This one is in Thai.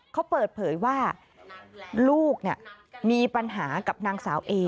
เขาเปิดเผยว่าลูกมีปัญหากับนางสาวเอ